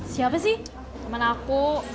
siapa sih sama aku